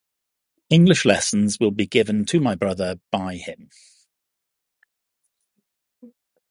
English lessons will be given to my brother by him.